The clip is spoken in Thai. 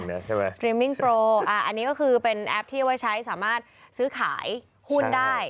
อันนี้คือเป็นแอพที่ไว้ใช้สามารถซื้อขายหุ้นได้